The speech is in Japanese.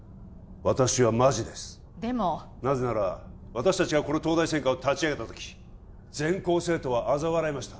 私はマジですでもなぜなら私達がこの東大専科を立ち上げた時全校生徒はあざ笑いました